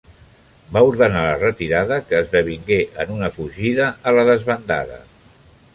Va ordenar la retirada, que esdevingué en una fugida a la desbandada.